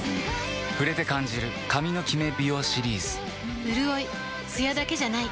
触れて感じる髪のキメ美容シリーズうるおいツヤだけじゃない。